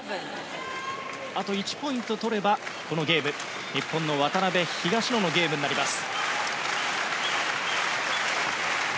あと１ポイント取ればこのゲーム、日本の渡辺・東野のゲームになります。